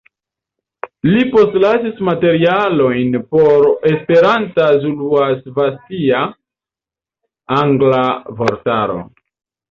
Li postlasis materialojn por Esperanta-zuluasvatia-angla vortaro.